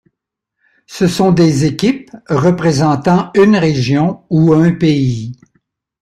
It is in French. Ce sont des équipes représentant une région ou un pays.